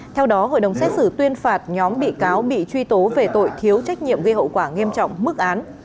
theo đó hội đồng xét xử tuyên phạt nhóm bị cáo bị truy tố về tội thiếu trách nhiệm gây hậu quả nghiêm trọng mức án